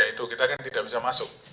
itu kita kan tidak bisa masuk